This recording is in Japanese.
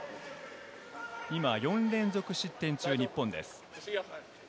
今、４連続失点中、日本です。